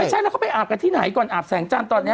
ไม่ใช่แล้วเขาไปอาบกันที่ไหนก่อนอาบแสงจันทร์ตอนนี้